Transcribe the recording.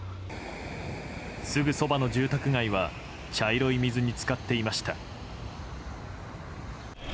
すぐそばの住宅街は茶色い水に浸かっていました。